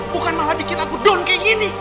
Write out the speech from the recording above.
bukan malah bikin aku down kayak gini